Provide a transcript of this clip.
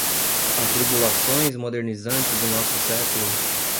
Atribulações modernizantes do nosso século